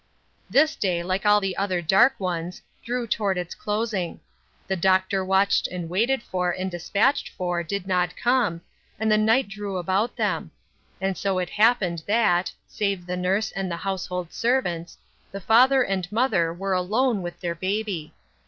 This day, like all the other dark ones, drew toward its closing; the Doctor watched and waited for, and dispatched for, did not come, and the night drew about them ; and it so happened that, save the nurse and the household servants, the father and mother were alone with their baby.